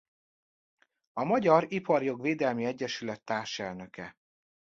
A Magyar Iparjogvédelmi Egyesület társelnöke.